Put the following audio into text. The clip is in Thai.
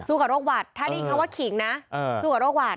สู้กับโรคหวัดถ้าที่เขาว่าขิงนะสู้กับโรคหวัด